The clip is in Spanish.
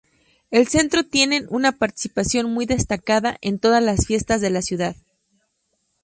El Centro tienen una participación muy destacada en todas las fiestas de la ciudad.